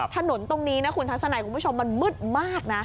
ถนนตรงนี้นะคุณทัศนัยคุณผู้ชมมันมืดมากนะ